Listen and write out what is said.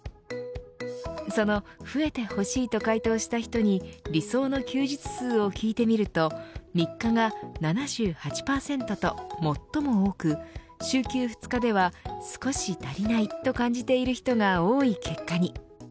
その、増えてほしいと回答した人に理想の休日数を聞いてみると３日が７８％と最も多く週休２日では少し足りないと感じている人が多い結果に。